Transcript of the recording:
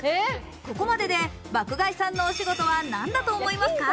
ここまでで爆買いさんの仕事は何だと思いますか？